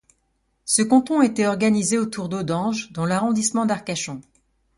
Ce canton était organisé autour d'Audenge dans l'arrondissement d'Arcachon.